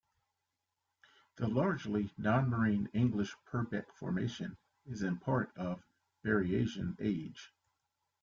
The largely non-marine English Purbeck Formation is in part of Berriasian age.